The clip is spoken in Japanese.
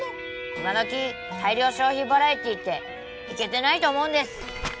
今どき大量消費バラエティってイケてないと思うんです。